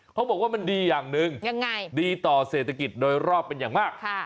เขาบอกว่ามันดีอย่างหนึ่งดีต่อเศรษฐกิจโดยรอบเป็นอย่างมาก